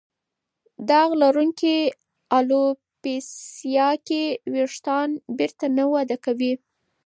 داغ لرونکې الوپیسیا کې وېښتان بېرته نه وده کوي.